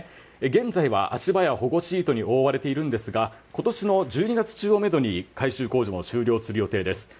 現在は足場や保護シートに覆われているんですが今年の１２月中をめどに改修工事を終了する予定です。